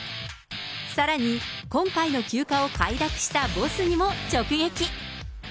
さらに、今回の休暇を快諾したボスにも直撃。